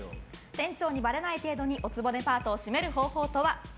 店長にばれない程度にお局パートをシメる方法とは？